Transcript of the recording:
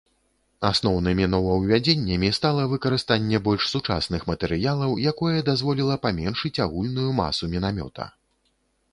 Асноўнымі новаўвядзеннямі стала выкарыстанне больш сучасных матэрыялаў, якое дазволіла паменшыць агульную масу мінамёта.